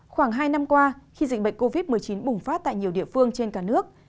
khoảng hai năm qua khi dịch bệnh covid một mươi chín bùng phát tại nhiều địa phương trên cả nước